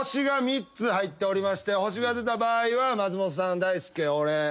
★が３つ入っておりまして★が出た場合は松本さん大輔俺。